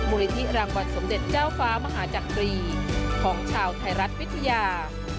มูลนิธิรางวัลสมเด็จเจ้าฟ้ามหาจักรีของชาวไทยรัฐวิทยา